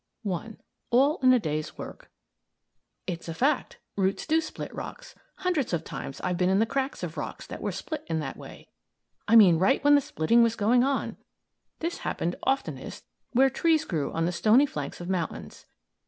I. ALL IN THE DAY'S WORK It's a fact. Roots do split rocks. Hundreds of times I've been in the cracks of rocks that were split in that way. I mean right when the splitting was going on. This happened oftenest where trees grew on the stony flanks of mountains.